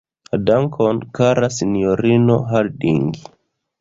Dankon, kara sinjorino Harding.